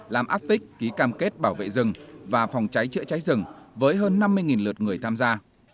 làm áp phích ký cam kết bảo vệ rừng và phòng cháy chữa cháy rừng với hơn năm mươi lượt người tham gia